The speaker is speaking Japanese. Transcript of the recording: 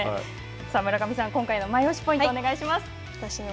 さあ村上さん、今回のマイオシポイントをお願いします。